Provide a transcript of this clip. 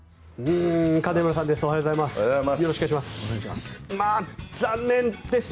おはようございます。